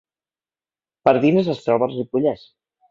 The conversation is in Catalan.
Pardines es troba al Ripollès